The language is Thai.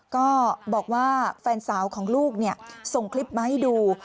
ก็บอกว่าแฟนสาวของลูกส่งคลิปมาให้ดู